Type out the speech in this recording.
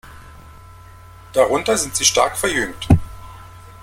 Darunter sind sie stark verjüngt.